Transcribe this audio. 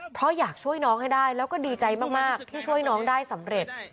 เพราะอยากช่วยน้องให้ได้แล้วก็ดีใจมากที่ช่วยน้องได้สำเร็จ